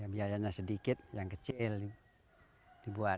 biayanya sedikit yang kecil dibuat